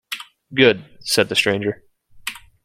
‘Good,’ said the stranger.